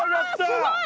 わすごい！